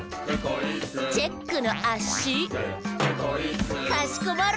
「チェックのあ・し！」「かしこまり！」